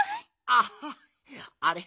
あっあれ？